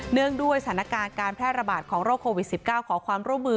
งงด้วยสถานการณ์การแพร่ระบาดของโรคโควิด๑๙ขอความร่วมมือ